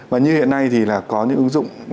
và như hiện nay thì là có những ứng dụng